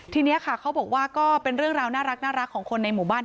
ทีนี้ค่ะเขาบอกว่าก็เป็นเรื่องราวน่ารักของคนในหมู่บ้าน